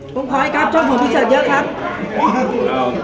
คุณพลอยครับชอบของพี่เซิร์ฟเยอะครับ